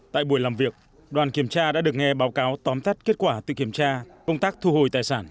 tại buổi làm việc đoàn kiểm tra đã được nghe báo cáo tóm tắt kết quả tự kiểm tra công tác thu hồi tài sản